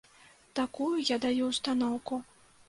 Такую я даю ўстаноўку.